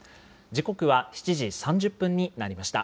時刻は７時３０分になりました。